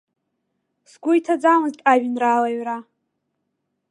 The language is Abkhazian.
Сгәы иҭаӡамызт ажәеинраала аҩра.